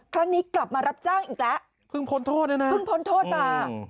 ครั้งนี้กลับมารับจ้างอีกแล้วเพิ่งพ้นโทษมา